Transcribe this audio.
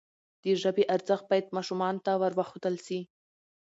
د ژبي ارزښت باید ماشومانو ته وروښودل سي.